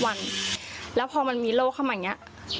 วันแล้วพอมันมีโรคเข้ามาอย่างนี้